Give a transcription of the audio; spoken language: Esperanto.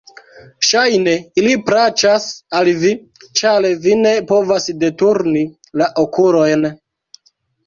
Ŝajne, ili plaĉas al vi, ĉar vi ne povas deturni la okulojn!